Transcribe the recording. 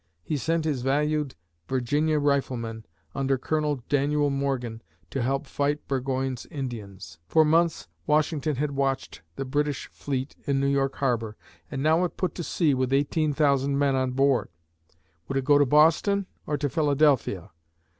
He sent his valued Virginia riflemen, under Colonel Daniel Morgan, to help fight Burgoyne's Indians. For months, Washington had watched the British fleet in New York harbor and now it put to sea with eighteen thousand men on board. Would it go to Boston or to Philadelphia?